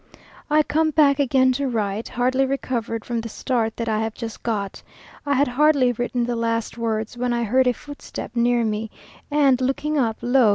I come back again to write, hardly recovered from the start that I have just got. I had hardly written the last words, when I heard a footstep near me, and, looking up, lo!